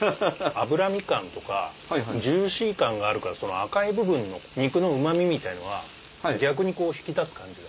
脂身感とかジューシー感があるから赤い部分の肉のうま味みたいのは逆に引き立つ感じが。